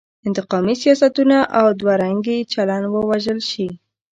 انتقامي سیاستونه او دوه رنګی چلن ووژل شي.